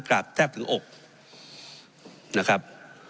กราบแทบถึงอกนะครับ